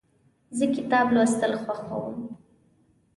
زه کتاب لوستل خوښوم.